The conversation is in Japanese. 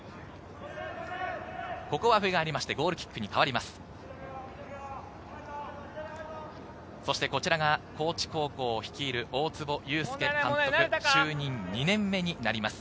笛がありましてゴールキックに変わります。